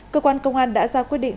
cơ quan công an đã ra quyết định